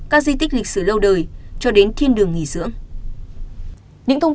các di tích lịch sử lâu đời cho đến thiên đường nghỉ dưỡng